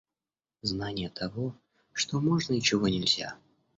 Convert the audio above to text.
Знание того, что можно и чего нельзя.